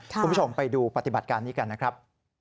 คุณผู้ชมไปดูปฏิบัติการนี้กันนะครับ